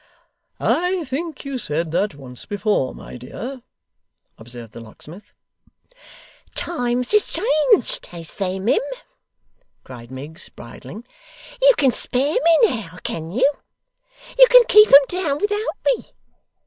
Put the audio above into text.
'I think you said that once before, my dear,' observed the locksmith. 'Times is changed, is they, mim!' cried Miggs, bridling; 'you can spare me now, can you? You can keep 'em down without me?